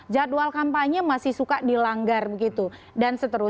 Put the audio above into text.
jadwal kampanye masih suka dilanggar